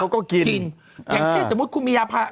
เขาก็กินอย่างเช่นสมมติคุณมียาภาระ